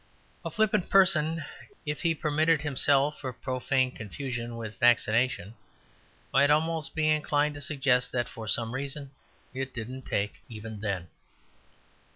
A flippant person, if he permitted himself a profane confusion with vaccination, might almost be inclined to suggest that for some reason it didn't "take" even then.